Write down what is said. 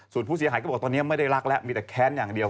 ส่วนผู้เสียหายก็บอกตอนนี้ไม่ได้รักแล้วมีแต่แค้นอย่างเดียว